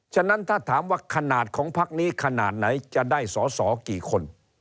ฉะนั้นถ้าถามว่าขนาดของพักนี้ขนาดไหนจะได้สอสอกี่คน